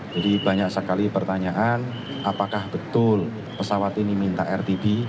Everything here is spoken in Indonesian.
jadi banyak sekali pertanyaan apakah betul pesawat ini minta rtb